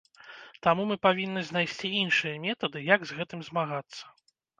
Таму мы павінны знайсці іншыя метады, як з гэтым змагацца.